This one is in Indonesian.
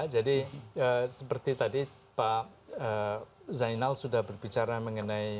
jadi seperti tadi pak zainal sudah berbicara mengenai